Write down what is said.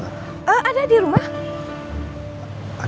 saya harus buktikan